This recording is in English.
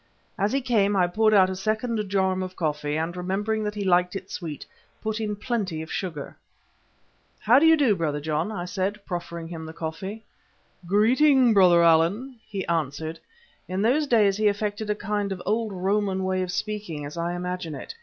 As he came I poured out a second jorum of coffee, and remembering that he liked it sweet, put in plenty of sugar. "How do you do, Brother John?" I said, proffering him the coffee. "Greeting, Brother Allan," he answered in those days he affected a kind of old Roman way of speaking, as I imagine it.